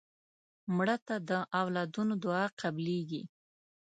مړه ته د اولادونو دعا قبلیږي